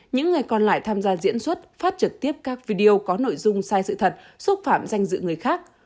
những người còn lại tham gia diễn xuất phát trực tiếp các video có nội dung sai sự thật xúc phạm danh dự người khác